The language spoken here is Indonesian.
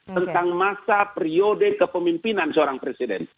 tentang masa periode kepemimpinan seorang presiden